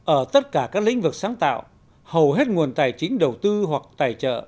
ở tất cả các lĩnh vực sáng tạo hầu hết nguồn tài chính đầu tư hoặc tài trợ